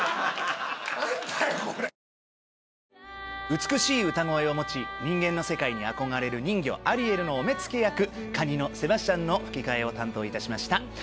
美しい歌声を持ち人間の世界に憧れる人魚アリエルのお目付け役カニのセバスチャンの吹き替えを担当いたしました。